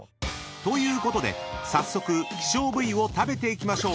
［ということで早速希少部位を食べていきましょう］